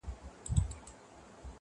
وې نارې د جاله وان شور د بلبلو٫